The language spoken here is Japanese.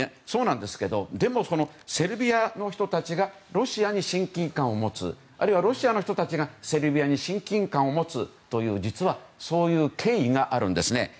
ですが、セルビアの人たちがロシアに親近感を持つあるいは、ロシアの人たちがセルビアに親近感を持つという実は、そういう経緯があるんですね。